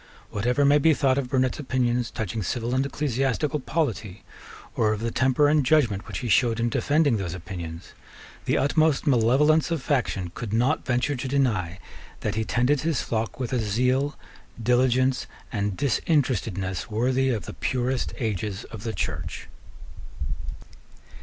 Whatever may be thought of Burnet's opinions touching civil and ecclesiastical polity, or of the temper and judgment which he showed in defending those opinions, the utmost malevolence of faction could not venture to deny that he tended his flock with a zeal, diligence, and disinterestedness worthy of the purest ages of the Church.